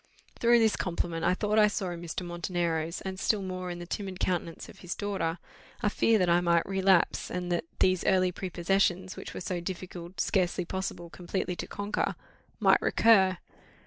Through this compliment, I thought I saw in Mr. Montenero's, and still more in the timid countenance of his daughter, a fear that I might relapse; and that these early prepossessions, which were so difficult, scarcely possible, completely to conquer, might recur.